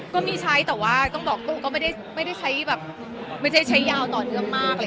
ก็มีใช้แต่ก็ไม่ใช้ยาวต่อด้วยมาก